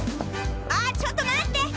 あちょっと待って！